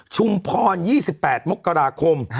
ชุมพร๒๘มกราคม